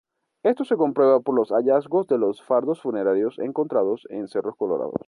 Esto se comprueba por los hallazgos de los fardos funerarios encontrados en Cerro Colorado.